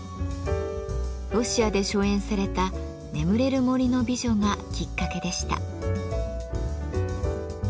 ロシアで初演された「眠れる森の美女」がきっかけでした。